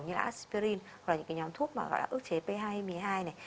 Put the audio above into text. như là aspirin hoặc là những nhóm thuốc mà gọi là ước chế p hai a một mươi hai này